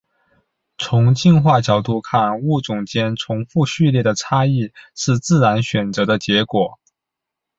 从进化角度看物种间重复序列的差异是自然选择的结果。